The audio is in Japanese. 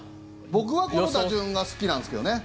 僕はこの打順が好きなんですけどね。